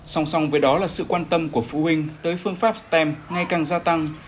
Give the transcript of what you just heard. song song với đó là sự quan tâm của phụ huynh tới phương pháp stem ngay càng gia tăng